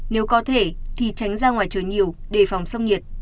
nếu có thể thì tránh ra ngoài trời nhiều đề phòng sông nhiệt